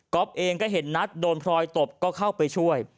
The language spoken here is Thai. เองก็เห็นนัทโดนพลอยตบก็เข้าไปช่วย